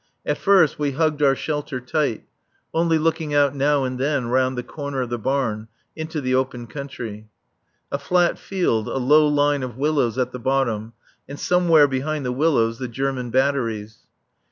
At first we hugged our shelter tight, only looking out now and then round the corner of the barn into the open country. A flat field, a low line of willows at the bottom, and somewhere behind the willows the German batteries.